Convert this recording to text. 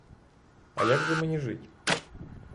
А як же мені жить?